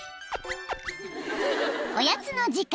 ［おやつの時間］